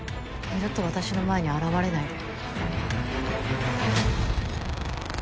二度と私の前に現れないで。